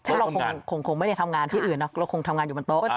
เพราะเราคงไม่ได้ทำงานที่อื่นเนอะเราคงทำงานอยู่บนโต๊ะ